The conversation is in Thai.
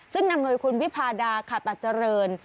ซึ่งนำโดยคุณวิพาดาขาตะเจริญ